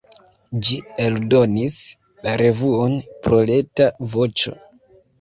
Ĝi eldonis la revuon "Proleta Voĉo".